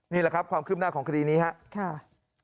นี่แหละครับความคืบหน้าของคดีนี้ครับ